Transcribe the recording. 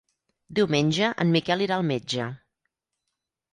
Diumenge en Miquel irà al metge.